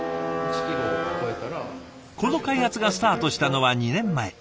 この開発がスタートしたのは２年前。